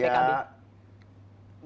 betul tidak dari pkb